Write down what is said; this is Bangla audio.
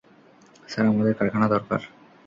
স্যার, আমাদের কারখানা দরকার।